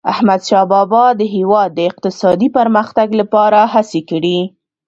احمدشاه بابا د هیواد د اقتصادي پرمختګ لپاره هڅي کړي.